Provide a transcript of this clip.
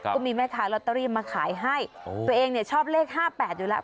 ก็มีแม่ค้าลอตเตอรี่มาขายให้ตัวเองเนี่ยชอบเลข๕๘อยู่แล้ว